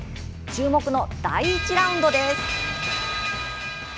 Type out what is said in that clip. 注目の第１ラウンドです。